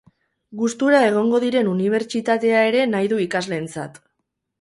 Gustura egongo diren unibertsitatea ere nahi du ikasleentzat.